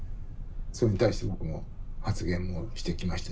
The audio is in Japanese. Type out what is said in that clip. それに対して僕も発言もしてきましたし。